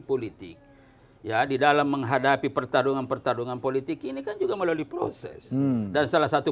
politik ya di dalam menghadapi pertarungan pertarungan politik ini kan juga melalui proses dan salah satu